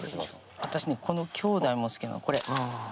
私ねこの兄弟も好きなのこれ。